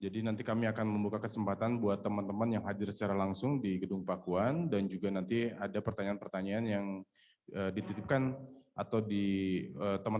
dan kami berkomunikasi dengan keluarga dan kedutaan